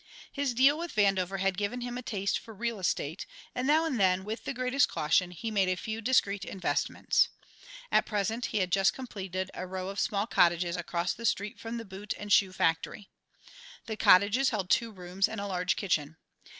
His "deal" with Vandover had given him a taste for real estate, and now and then, with the greatest caution, he made a few discreet investments. At present he had just completed a row of small cottages across the street from the boot and shoe factory. The cottages held two rooms and a large kitchen.